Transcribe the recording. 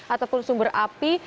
ataupun sumber api